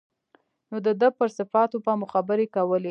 نو د ده پر صفاتو به مو خبرې کولې.